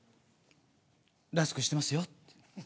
ラスクしてますよって言う。